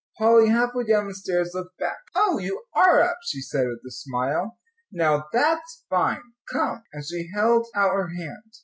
Polly, halfway down the stairs, looked back. "Oh, you are up," she said, with a smile. "Now that's fine; come." And she held out her hand.